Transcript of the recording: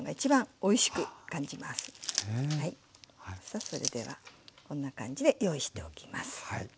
さあそれではこんな感じで用意しておきます。